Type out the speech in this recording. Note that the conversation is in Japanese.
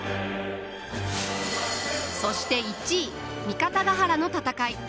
そして１位三方ヶ原の戦い。